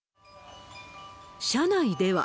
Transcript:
車内では。